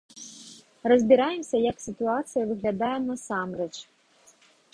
Разбіраемся, як сітуацыя выглядае насамрэч.